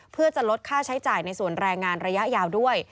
เพื่อจะลดค่าใช้จ่ายในส่วนแรงงานระยะยาวด้วย